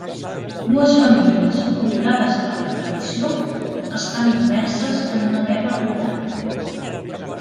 Dues famílies, obligades per la tradició, estan immerses en una guerra brutal.